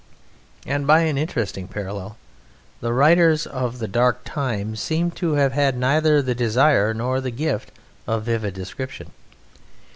And by an interesting parallel the writers of the dark time seemed to have had neither the desire nor the gift of vivid description.